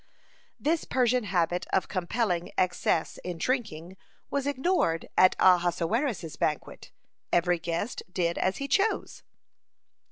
This Persian habit of compelling excess in drinking was ignored at Ahasuerus's banquet; every guest did as he chose.